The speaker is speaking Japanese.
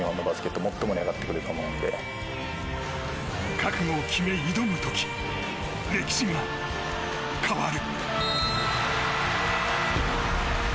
覚悟を決め、挑む時歴史が変わる。